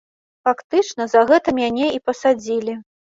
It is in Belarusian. Фактычна, за гэта мяне і пасадзілі.